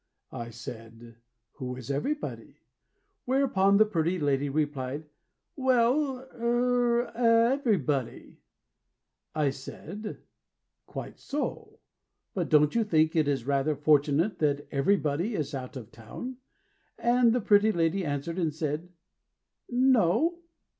I said, "Who is Everybody?" Whereupon the pretty lady replied, "Well er Everybody." I said, "Quite so; But don't you think it is rather Fortunate that Everybody is out of town? And the pretty lady answered and said, "No."